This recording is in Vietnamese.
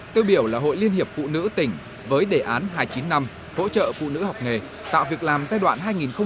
tư biểu là hội liên hiệp phụ nữ tỉnh với đề án hai mươi chín năm hỗ trợ phụ nữ học nghề tạo việc làm giai đoạn hai nghìn một mươi hai nghìn một mươi năm